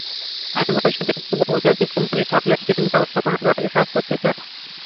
আমি ভবিষ্যতে একটি বহুজাতিক কোম্পানির সাপ্লাই চেইন ব্যবস্থাপনা বিভাগে কাজ করতে চাই।